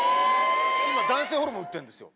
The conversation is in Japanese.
今男性ホルモン打ってんですよ